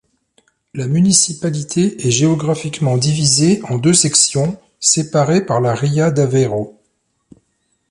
La municipalité est géographiquement divisée en deux sections, séparées par la ria d'Aveiro.